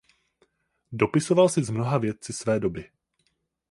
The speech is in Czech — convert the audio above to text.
Dopisoval si s mnoha vědci své doby.